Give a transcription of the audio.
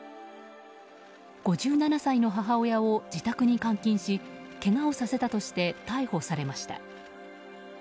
５７歳の母親を自宅に監禁しけがをさせたとして逮捕されました。